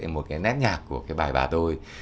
một cái nét nhạc của cái bài bà tôi